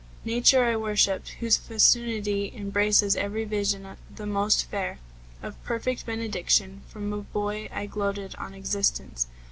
Nature I worshipped, whose fecundity Embraces every vision the most fair, Of perfect benediction. From a boy I gloated on existence.